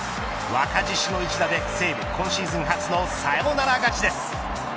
若獅子の一打で西武、今シーズン初のサヨナラ勝ちです。